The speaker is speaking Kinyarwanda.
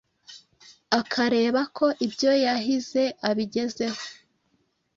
akareba ko ibyo yahize abigezeho